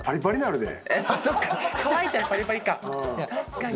そっか乾いたらパリパリか。